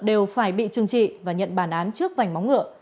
đều phải bị trừng trị và nhận bản án trước vành móng ngựa